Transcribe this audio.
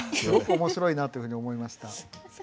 すごく面白いなというふうに思いました。